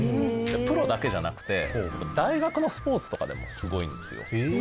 プロだけじゃなくて大学のスポーツとかでもすごいんですよ。